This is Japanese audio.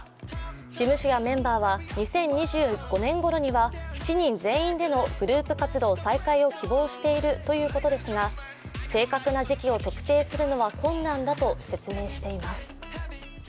事務所やメンバーは２０２５年頃には７人全員でのグループ活動再開を希望しているということですが、正確な時期を特定するのは困難だと説明しています。